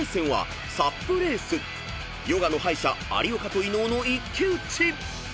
［ヨガの敗者有岡と伊野尾の一騎打ち］